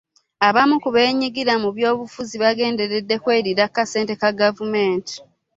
Abamu ku benyigidde mu by'obufuzi bagenderedde kwelira ku kasente ka gavumenti.